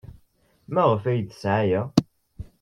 Maɣef ay iyi-d-tesɣa aya?